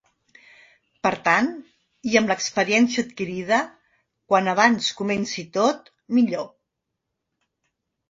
Per tant, i amb l’experiència adquirida, quan abans comenci tot, millor.